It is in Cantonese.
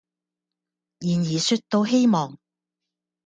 然而說到希望，